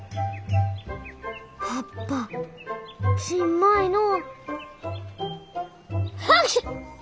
葉っぱちんまいのう。